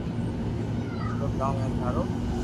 مسلو ڪاو ھي ٿارو